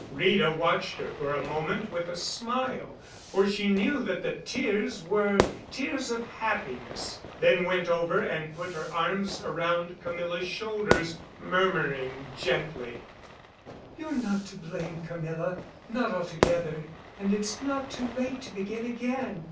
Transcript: Rita watched her for a moment with a smile, for she knew that the tears were tears of happiness, then went over and put her arms around Camilla's shoulders, murmuring gently: "You're not to blame, Camilla—not altogether—and it's not too late to begin again.